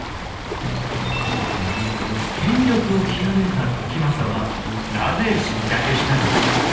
権力を極めた時政はなぜ失脚したのか。